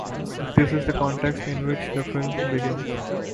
This is the context in which the film begins.